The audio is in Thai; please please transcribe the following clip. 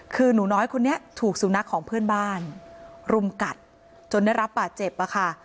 คือหนูน้อยคนนี้ถูกสุนัขของเพื่อนบ้านรุมกัดจนได้รับบาดเจ็บอะค่ะ